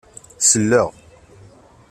Selleɣ.